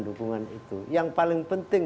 dukungan itu yang paling penting